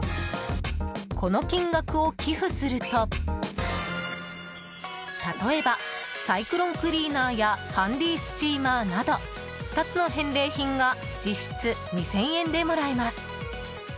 この金額を寄付すると例えばサイクロンクリーナーやハンディスチーマーなど２つの返礼品が実質２０００円でもらえます。